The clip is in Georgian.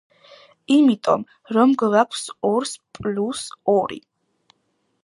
იმიტომ, რომ გვაქვს ორს პლუს ორი.